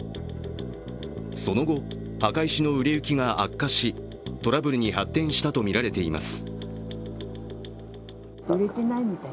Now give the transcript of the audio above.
その後、墓石の売れ行きが悪化し、トラブルに発展したとみられています。